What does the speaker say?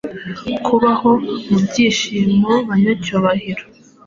Kubaho mu byishimobanyacyubahiro